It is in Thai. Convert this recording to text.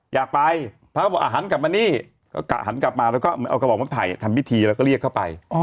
อยากไปพระก็บอกหันกลับมานี่ก็หันกลับมาแล้วก็เอากระบอกไม้ไผ่ทำพิธีแล้วก็เรียกเข้าไป